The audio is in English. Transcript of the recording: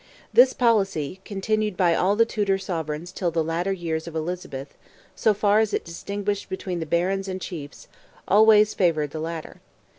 This policy, continued by all the Tudor sovereigns till the latter years of Elizabeth, so far as it distinguished between the Barons and Chiefs always favoured the latter.